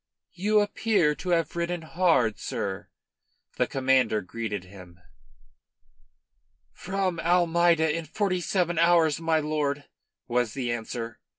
"You appear to have ridden hard, sir," the Commander greeted him. "From Almeida in forty seven hours, my lord," was the answer.